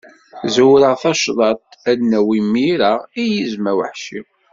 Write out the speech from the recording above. Zzewreɣ tacḍaṭ, ad d-nawi mira, i yizem aweḥci.